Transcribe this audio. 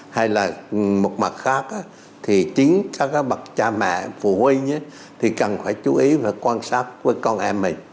hay là một mặt khác thì chính các bậc cha mẹ phụ huynh thì cần phải chú ý và quan sát với con em mình